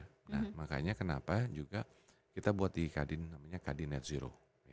nah makanya kenapa juga kita buat di kadin namanya kadin net zero